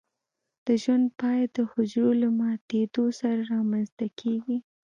د ژوند پای د حجره له ماتیدو سره رامینځته کیږي.